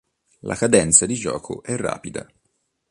La cadenza di gioco è rapida.